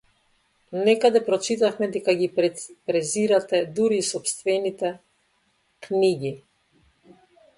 Некаде прочитавме дека ги презирате дури и сопстените книги.